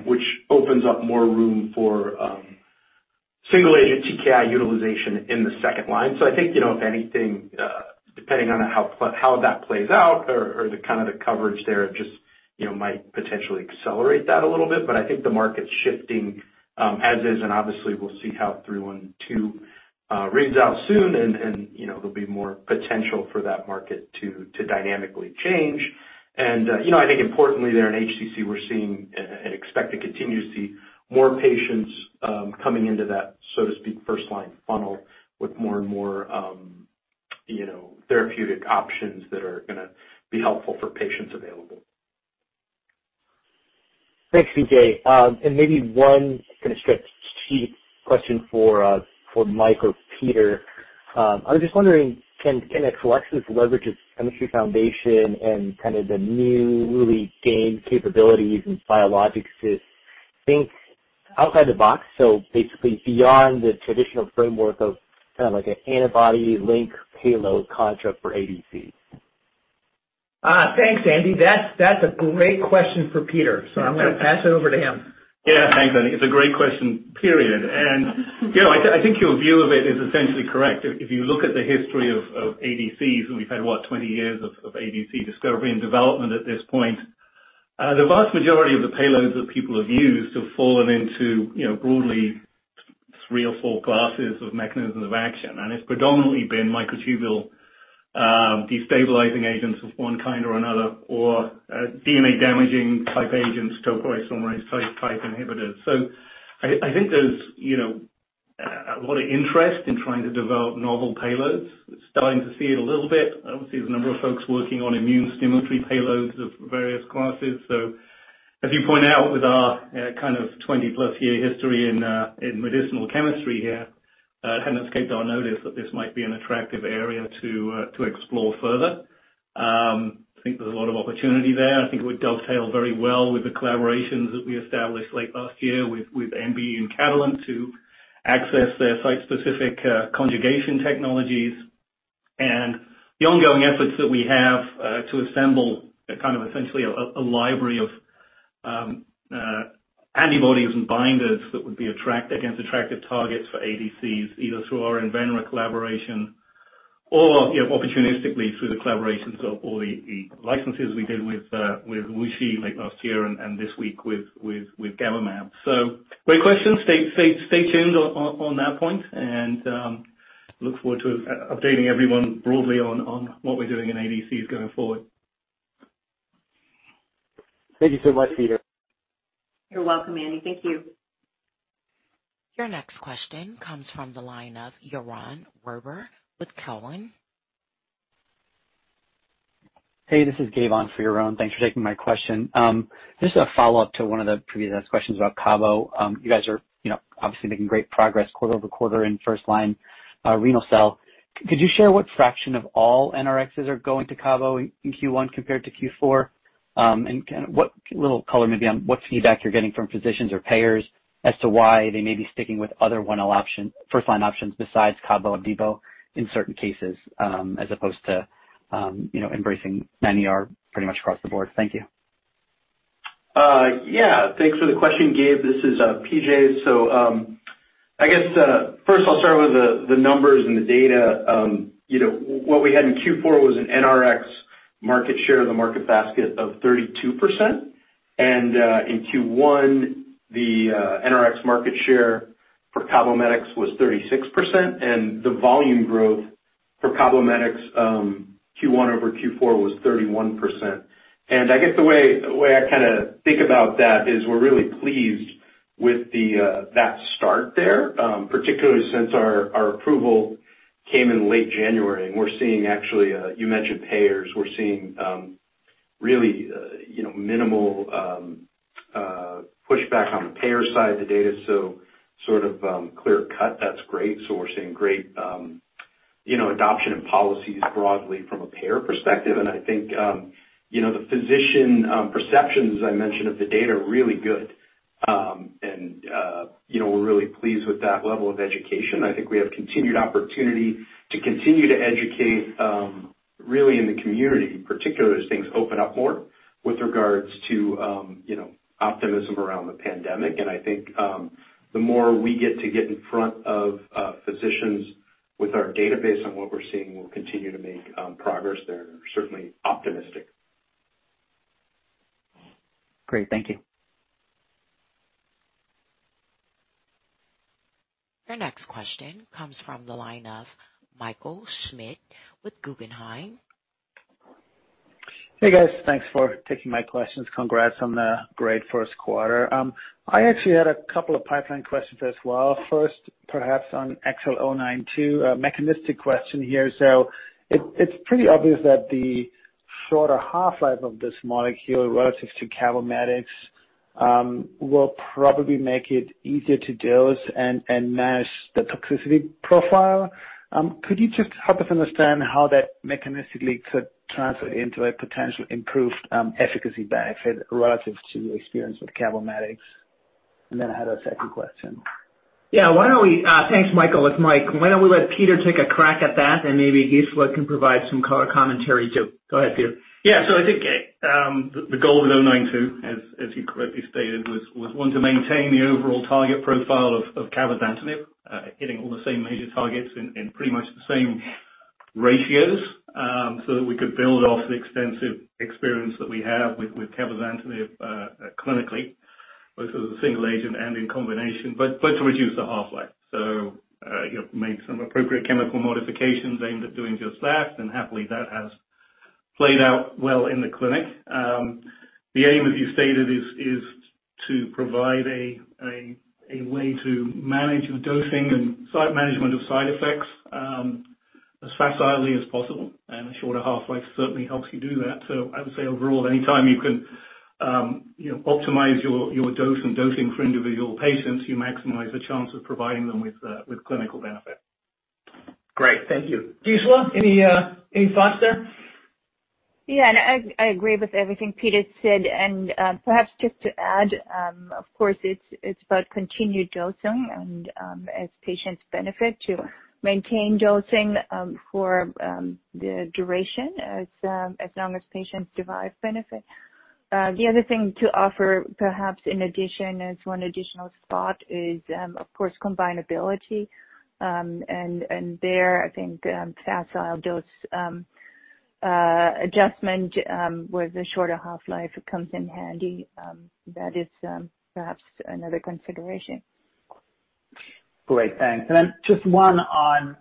which opens up more room for single-agent TKI utilization in the second line. I think, if anything, depending on how that plays out or the kind of the coverage there, it just might potentially accelerate that a little bit. I think the market's shifting, as is, and obviously we'll see how 312 reads out soon and there'll be more potential for that market to dynamically change. I think importantly there in HCC, we're seeing and expect to continue to see more patients coming into that, so to speak, first-line funnel with more and more therapeutic options that are going to be helpful for patients available. Thanks, P.J. Maybe one kind of stretch question for Mike or Peter. I was just wondering, can Exelixis leverage its chemistry foundation and kind of the newly gained capabilities in biologics to think outside the box? Basically beyond the traditional framework of kind of like an antibody link payload construct for ADCs. Thanks, Andy. That's a great question for Peter, so I'm going to pass it over to him. Yeah, thanks, Andy. It's a great question, period. I think your view of it is essentially correct. If you look at the history of ADCs, and we've had, what? 20 years of ADC discovery and development at this point. The vast majority of the payloads that people have used have fallen into broadly three or four classes of mechanisms of action. It's predominantly been microtubule destabilizing agents of one kind or another, or DNA-damaging type agents, topoisomerase type inhibitors. I think there's a lot of interest in trying to develop novel payloads. We're starting to see it a little bit. Obviously, there's a number of folks working on immune stimulatory payloads of various classes. As you point out, with our kind of 20+ year history in medicinal chemistry here, it hadn't escaped our notice that this might be an attractive area to explore further. I think there's a lot of opportunity there. I think it would dovetail very well with the collaborations that we established late last year with NBE and Catalent to access their site-specific conjugation technologies and the ongoing efforts that we have to assemble kind of essentially a library of antibodies and binders that would be against attractive targets for ADCs, either through our Invenra collaboration or opportunistically through the collaborations of all the licenses we did with WuXi late last year and this week with GamaMabs. Great question. Stay tuned on that point and look forward to updating everyone broadly on what we're doing in ADCs going forward. Thank you so much, Peter. You're welcome, Andy. Thank you. Your next question comes from the line of Yaron Werber with Cowen. Hey, this is Gabe on for Yaron. Thanks for taking my question. Just a follow-up to one of the previous questions about CABO. You guys are obviously making great progress quarter-over-quarter in first line renal cell. Could you share what fraction of all NRxs are going to CABO in Q1 compared to Q4? What little color maybe on what feedback you're getting from physicians or payers as to why they may be sticking with other first line options besides CABO, OPDIVO in certain cases, as opposed to embracing 9ER pretty much across the board? Thank you. Thanks for the question, Gabe. This is P.J. I guess, first I'll start with the numbers and the data. What we had in Q4 was an NRx market share of the market basket of 32%. In Q1, the NRx market share for CABOMETYX was 36%, and the volume growth for CABOMETYX Q1 over Q4 was 31%. I guess the way I kind of think about that is we're really pleased with that start there, particularly since our approval came in late January. We're seeing actually, you mentioned payers, we're seeing really minimal pushback on the payer side of the data, so sort of clear cut. That's great. We're seeing great adoption and policies broadly from a payer perspective. I think the physician perceptions, as I mentioned, of the data are really good. We're really pleased with that level of education. I think we have continued opportunity to continue to educate really in the community, particularly as things open up more with regards to optimism around the pandemic. I think the more we get to get in front of physicians with our database on what we're seeing, we'll continue to make progress there. Certainly optimistic. Great. Thank you. Your next question comes from the line of Michael Schmidt with Guggenheim. Hey, guys. Thanks for taking my questions. Congrats on the great first quarter. I actually had a couple of pipeline questions as well. First, perhaps on XL092, a mechanistic question here. It's pretty obvious that the shorter half-life of this molecule relative to CABOMETYX will probably make it easier to dose and manage the toxicity profile. Could you just help us understand how that mechanistically could translate into a potential improved efficacy benefit relative to experience with CABOMETYX? I had a second question. Yeah. Thanks, Michael. It's Mike. Why don't we let Peter take a crack at that, and maybe Gisela can provide some commentary too? Go ahead, Peter. I think the goal of the 092, as you correctly stated, was one to maintain the overall target profile of cabozantinib, hitting all the same major targets in pretty much the same ratios, so that we could build off the extensive experience that we have with cabozantinib clinically, both as a single agent and in combination. To reduce the half-life. Make some appropriate chemical modifications aimed at doing just that, and happily, that has played out well in the clinic. The aim, as you stated, is to provide a way to manage the dosing and site management of side effects as facilely as possible, and a shorter half-life certainly helps you do that. I would say overall, anytime you can optimize your dose and dosing for individual patients, you maximize the chance of providing them with clinical benefit. Great. Thank you. Gisela, any thoughts there? Yeah, I agree with everything Peter said. Perhaps just to add, of course, it's about continued dosing and as patients benefit, to maintain dosing for the duration as long as patients derive benefit. The other thing to offer, perhaps in addition, as one additional spot is, of course, combinability. There, I think facile dose adjustment with a shorter half-life comes in handy. That is perhaps another consideration. Great. Thanks. Just one on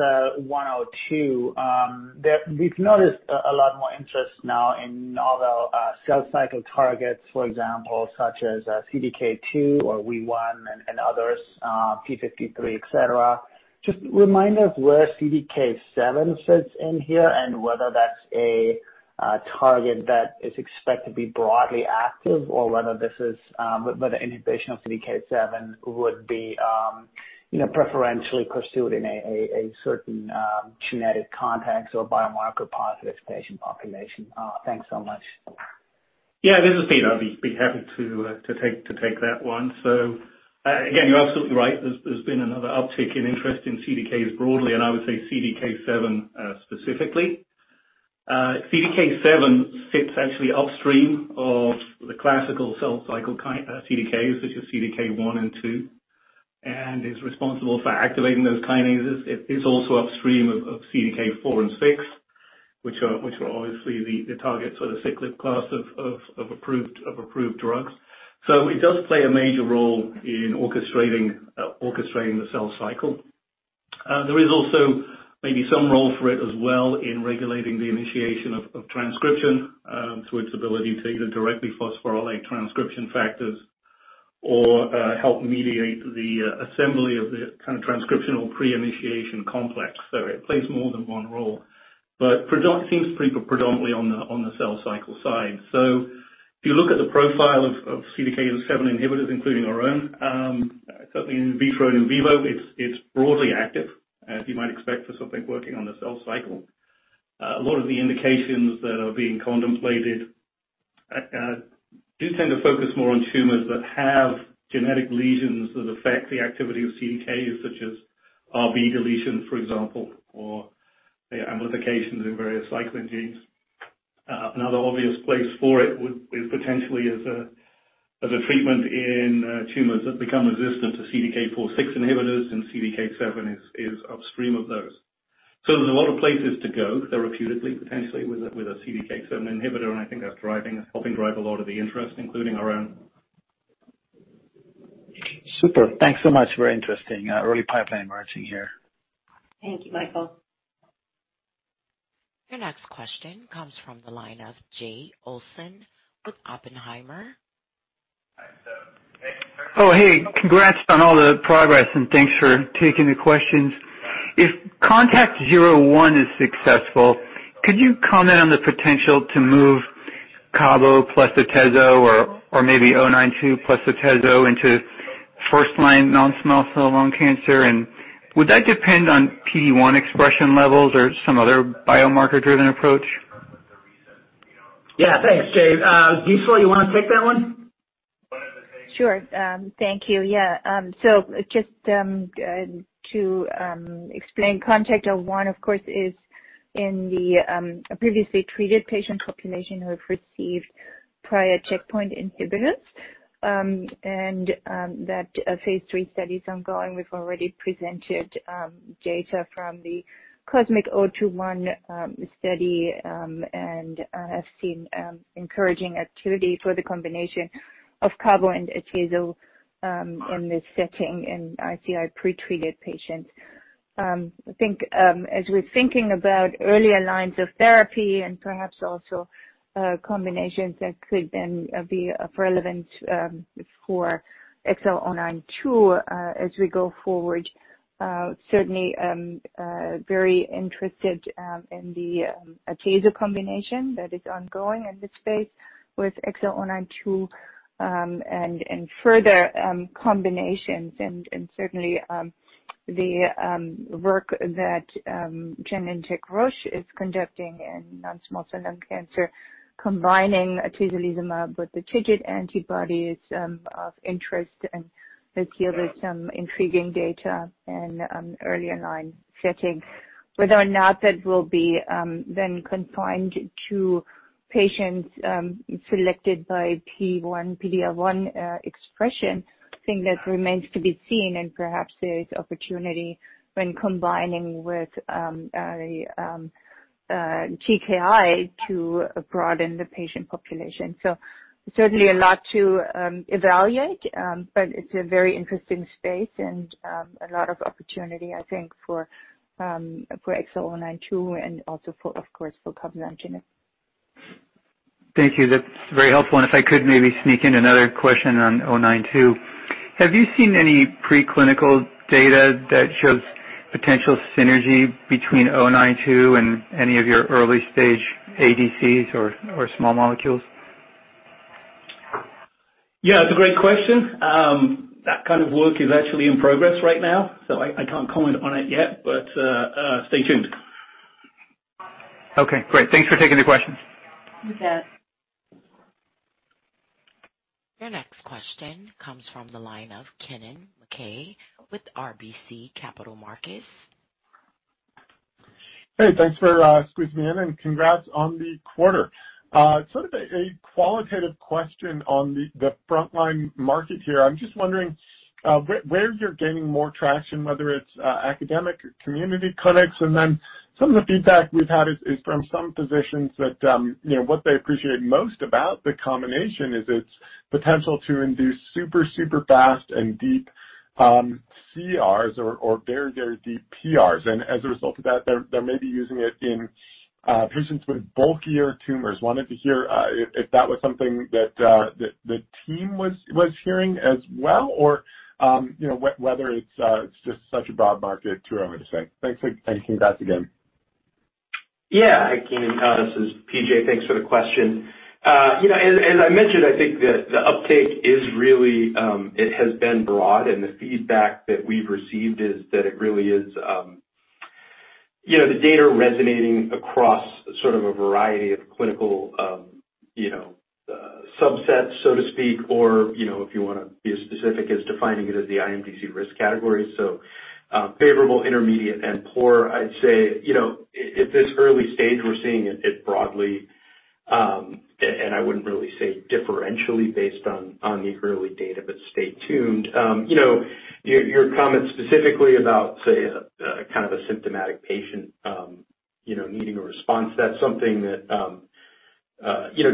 XL102. We've noticed a lot more interest now in other cell cycle targets. For example, such as CDK2 or WEE1 and others, p53, et cetera. Just remind us where CDK7 sits in here and whether that's a target that is expected to be broadly active, or whether inhibition of CDK7 would be preferentially pursued in a certain genetic context or biomarker-positive patient population? Thanks so much. Yeah. This is Peter. I'd be happy to take that one. Again, you're absolutely right. There's been another uptick in interest in CDKs broadly, and I would say CDK7 specifically. CDK7 sits actually upstream of the classical cell cycle CDKs, such as CDK1 and 2, and is responsible for activating those kinases. It is also upstream of CDK4 and 6, which are obviously the targets for the -ciclib class of approved drugs. It does play a major role in orchestrating the cell cycle. There is also maybe some role for it as well in regulating the initiation of transcription through its ability to either directly phosphorylate transcription factors or help mediate the assembly of the kind of transcriptional pre-initiation complex. It plays more than one role. Seems pretty predominantly on the cell cycle side. If you look at the profile of CDK7 inhibitors, including our own, certainly in vitro and in vivo, it's broadly active, as you might expect for something working on the cell cycle. A lot of the indications that are being contemplated do tend to focus more on tumors that have genetic lesions that affect the activity of CDKs, such as RB deletion, for example, or the amplifications in various cyclin genes. Another obvious place for it would be potentially as a treatment in tumors that become resistant to CDK4/6 inhibitors, and CDK7 is upstream of those. There's a lot of places to go therapeutically, potentially with a CDK7 inhibitor. I think that's helping drive a lot of the interest, including our own. Super. Thanks so much. Very interesting early pipeline emerging here. Thank you, Michael. Your next question comes from the line of Jay Olson with Oppenheimer. Oh, hey. Congrats on all the progress, and thanks for taking the questions. If CONTACT-01 is successful, could you comment on the potential to move cabo plus atezo or maybe 092 plus atezo into first-line non-small cell lung cancer? Would that depend on PD1 expression levels or some other biomarker-driven approach? Yeah. Thanks, Jay. Gisela, you want to take that one? Sure. Thank you. Yeah, just to explain. CONTACT-01, of course, is in the previously treated patient population who have received prior checkpoint inhibitors. That phase III study is ongoing. We've already presented data from the COSMIC-021 study, and have seen encouraging activity for the combination of cabo and atezo in this setting in ICI pre-treated patients. I think as we're thinking about earlier lines of therapy and perhaps also combinations that could then be of relevant for XL092 as we go forward, certainly very interested in the atezo combination that is ongoing in this space with XL092, and further combinations and certainly, the work that Genentech Roche is conducting in non-small cell lung cancer, combining atezolizumab with the TIGIT antibodies of interest and has yielded some intriguing data in an earlier line setting. Whether or not that will be then confined to patients selected by PD-L1 expression, I think that remains to be seen and perhaps there is opportunity when combining with TKI to broaden the patient population. Certainly a lot to evaluate, but it's a very interesting space and a lot of opportunity, I think, for XL092 and also of course, for cabozantinib. Thank you. That's very helpful. If I could maybe sneak in another question on 092. Have you seen any preclinical data that shows potential synergy between 092 and any of your early-stage ADCs or small molecules? Yeah, it's a great question. That kind of work is actually in progress right now, so I can't comment on it yet, but stay tuned. Okay, great. Thanks for taking the questions. You bet. Your next question comes from the line of Kennen MacKay with RBC Capital Markets. Hey, thanks for squeezing me in, and congrats on the quarter. Sort of a qualitative question on the frontline market here. I'm just wondering where you're gaining more traction, whether it's academic or community clinics. Then some of the feedback we've had is from some physicians that what they appreciate most about the combination is its potential to induce super fast and deep CRs or very, very deep PRs. As a result of that, they're maybe using it in patients with bulkier tumors. Wanted to hear if that was something that the team was hearing as well, or whether it's just such a broad market to where I would say? Thanks, and congrats again. Yeah. Hi, Kennen. This is P.J., thanks for the question. As I mentioned, I think that the uptake has been broad, and the feedback that we've received is that the data are resonating across sort of a variety of clinical subsets, so to speak, or if you want to be as specific as defining it as the IMDC risk category. Favorable, intermediate, and poor, I'd say, at this early stage, we're seeing it broadly. I wouldn't really say differentially based on the early data, but stay tuned. Your comment specifically about, say, kind of a symptomatic patient needing a response, that's something that,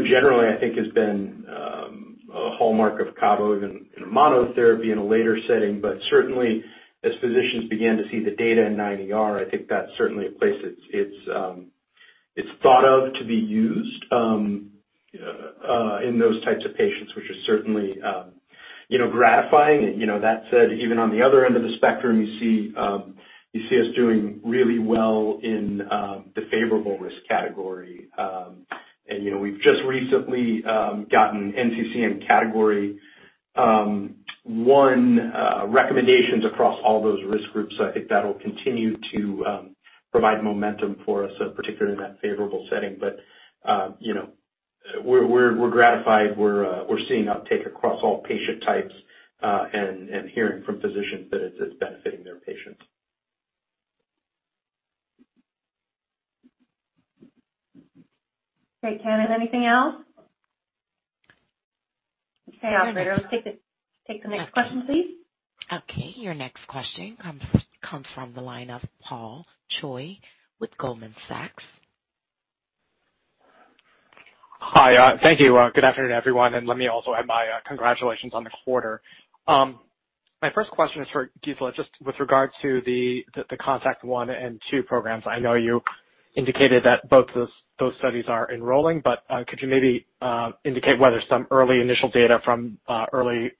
generally I think has been a hallmark of cabo even in a monotherapy in a later setting. Certainly, as physicians begin to see the data in 9ER, I think that's certainly a place it's thought of to be used in those types of patients, which is certainly gratifying. That said, even on the other end of the spectrum, you see us doing really well in the favorable risk category. We've just recently gotten NCCN Category 1 recommendations across all those risk groups, so I think that'll continue to provide momentum for us, particularly in that favorable setting. We're gratified. We're seeing uptake across all patient types, and hearing from physicians that it's benefiting their patients. Great, Kennen. Anything else? Okay, operator. Let's take the next question, please. Okay, your next question comes from the line of Paul Choi with Goldman Sachs. Hi. Thank you. Good afternoon, everyone. Let me also add my congratulations on the quarter. My first question is for Gisela, just with regard to the CONTACT-01 and 02 programs. I know you indicated that both those studies are enrolling. Could you maybe indicate whether some early initial data from early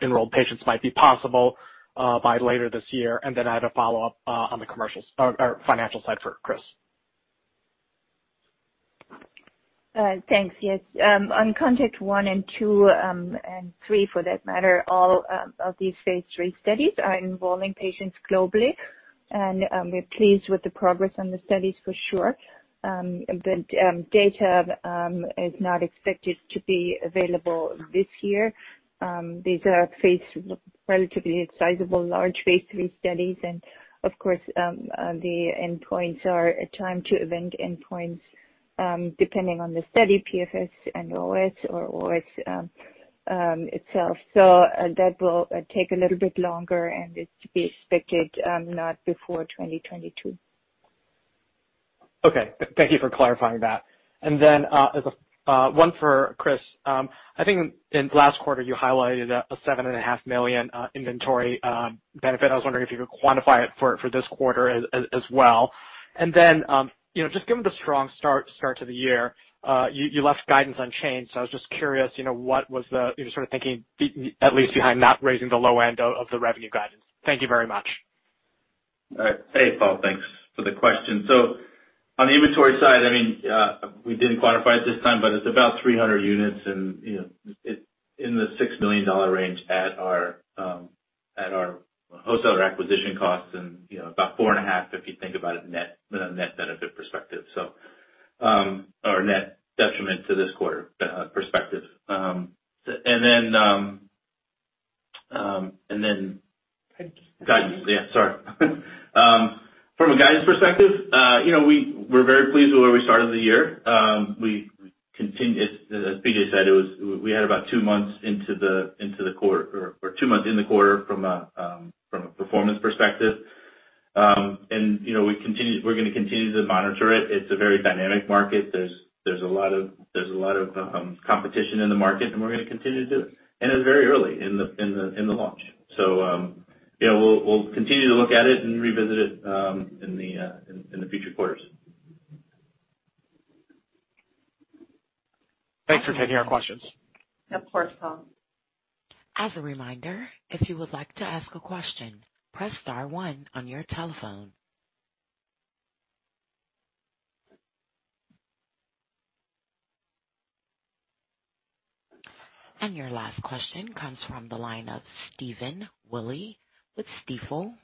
enrolled patients might be possible by later this year? I have a follow-up on the financial side for Chris. Thanks. Yes. On CONTACT-01, 02, and 03 for that matter, all of these phase III studies are enrolling patients globally, and we're pleased with the progress on the studies for sure. The data is not expected to be available this year. These are relatively sizable, large phase III studies. Of course, the endpoints are time to event endpoints, depending on the study, PFS and OS or OS itself. That will take a little bit longer, and it's to be expected not before 2022. Okay. Thank you for clarifying that. One for Chris. I think in the last quarter, you highlighted a $7.5 million inventory benefit. I was wondering if you could quantify it for this quarter as well? Just given the strong start to the year, you left guidance unchanged. I was just curious, what was the sort of thinking behind not raising the low end of the revenue guidance? Thank you very much. Hey, Paul. Thanks for the question. On the inventory side, we didn't quantify it this time, but it's about 300 units and in the $6 million range at our wholesale acquisition costs. About $4.5 million, if you think about it net benefit perspective, or net detriment to this quarter perspective. Then guidance. Yeah, sorry. From a guidance perspective, we were very pleased with where we started the year. We continued, as P.J. said, we had about two months into the quarter or two months in the quarter from a performance perspective. We're going to continue to monitor it. It's a very dynamic market. There's a lot of competition in the market, and we're going to continue to do it. It's very early in the launch. We'll continue to look at it and revisit it in the future quarters. Thanks for taking our questions. Of course, Paul. As a reminder, if you would like to ask a question, press star one on your telephone. Your last question comes from the line of Stephen Willey with Stifel.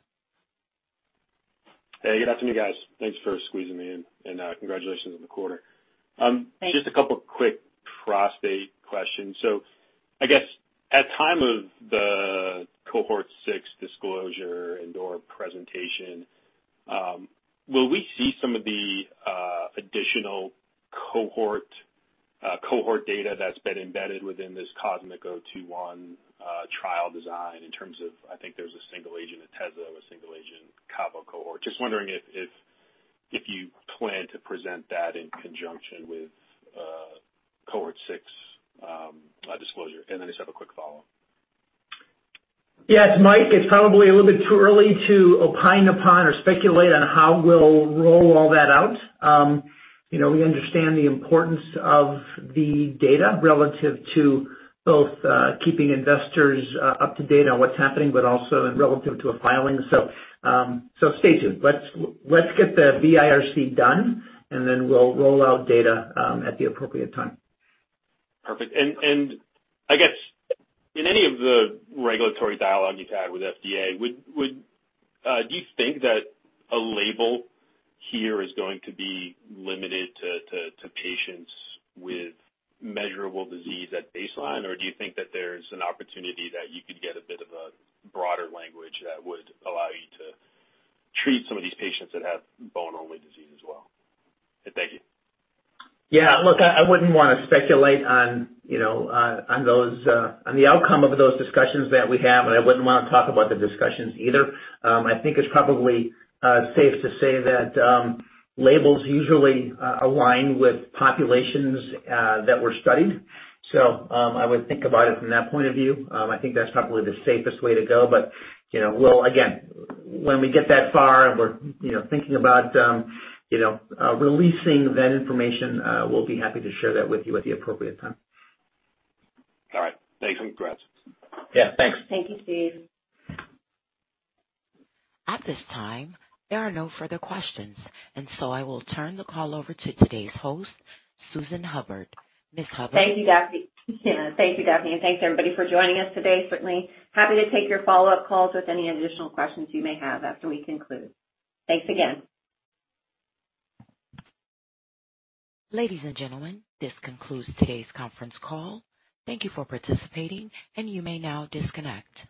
Hey, good afternoon, guys. Thanks for squeezing me in, and congratulations on the quarter. Thanks. Just a couple quick prostate questions. I guess at time of the cohort six disclosure and or presentation, will we see some of the additional cohort data that's been embedded within this COSMIC-021 trial design in terms of, I think there's a single agent atezo, a single agent cabo cohort. Just wondering if you plan to present that in conjunction with cohort six disclosure? Then, I just have a quick follow-up. Yes, it's Mike. It's probably a little bit too early to opine upon or speculate on how we'll roll all that out. We understand the importance of the data relative to both keeping investors up-to-date on what's happening, but also relative to a filing. Stay tuned. Let's get the BIRC done, and then we'll roll out data at the appropriate time. Perfect. I guess in any of the regulatory dialogue you've had with FDA, do you think that a label here is going to be limited to patients with measurable disease at baseline? Or do you think that there's an opportunity that you could get a bit of a broader language that would allow you to treat some of these patients that have bone-only disease as well? Thank you. Look, I wouldn't want to speculate on the outcome of those discussions that we have, and I wouldn't want to talk about the discussions either. I think it's probably safe to say that labels usually align with populations that were studied. I would think about it from that point of view. I think that's probably the safest way to go. We'll again, when we get that far and we're thinking about releasing that information, we'll be happy to share that with you at the appropriate time. All right. Thanks, and congrats. Yeah, thanks. Thank you, Steve. At this time, there are no further questions. I will turn the call over to today's host, Susan Hubbard. Ms. Hubbard. Thank you, Daphne. Thanks everybody for joining us today. Certainly happy to take your follow-up calls with any additional questions you may have after we conclude. Thanks again. Ladies and gentlemen, this concludes today's conference call. Thank you for participating, and you may now disconnect.